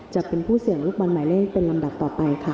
จะเป็นผู้เสี่ยงลูกบอลหมายเลขเป็นลำดับต่อไปค่ะ